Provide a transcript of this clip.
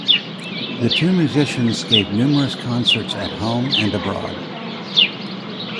The two musicians give numerous concerts at home and abroad.